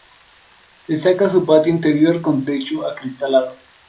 Destaca su patio interior con techo acristalado.